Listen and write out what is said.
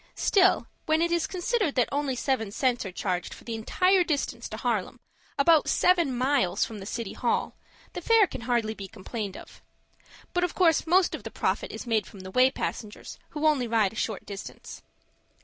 Still, when it is considered that only seven cents are charged for the entire distance to Harlem, about seven miles from the City Hall, the fare can hardly be complained of. But of course most of the profit is made from the way passengers who only ride a short distance.